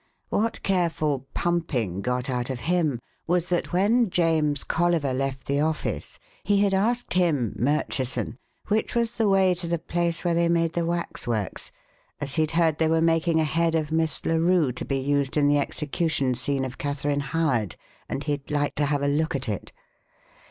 What careful 'pumping' got out of him was that when James Colliver left the office he had asked him, Murchison, which was the way to the place where they made the waxworks, as he'd heard that they were making a head of Miss Larue to be used in the execution scene of Catharine Howard, and he'd like to have a look at it.